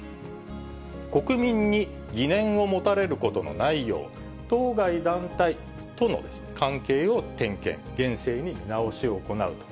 国民に疑念を持たれることのないよう、当該団体との関係を点検、厳正に見直しを行うと。